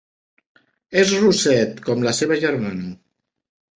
És rosset com la seva germana.